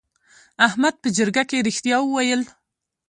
احمد په جرګه کې رښتیا وویل.